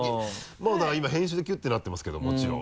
まぁだから今編集でキュッてなってますけどもちろん。